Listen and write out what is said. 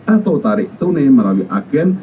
atau tarik tunai melalui agen